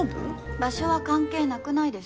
場所は関係なくないです？